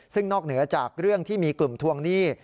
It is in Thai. ซึ่งนอกเหนือจากเรื่องที่มีกลุ่มทวงหนี้